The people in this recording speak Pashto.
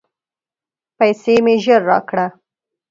پیسې مي ژر راکړه !